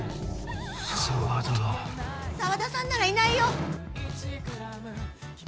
沢田さんならいないよ。